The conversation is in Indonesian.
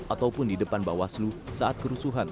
ataupun di depan bawaslu saat kerusuhan